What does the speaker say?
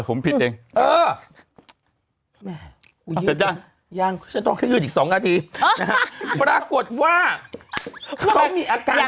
ผมผิดเองเออยังฉันต้องขยืดอีกสองนาทีนะฮะปรากฏว่าเขามีอาการป่วย